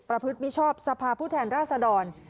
ประพฤติมิชชอบสภาพูดแทนราษดร